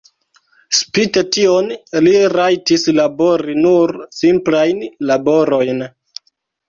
Spite tion li rajtis labori nur simplajn laborojn.